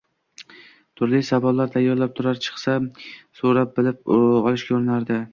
Turli savollar tayyorlab turar, chiqsam, so‘rab bilib olishga urinardi.